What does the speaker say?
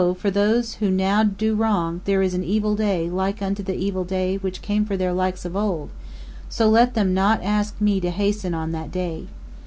for those who (now) do wrong there is an evil day like unto the evil day (which came for) their likes (of old); so let them not ask Me to hasten on (that day).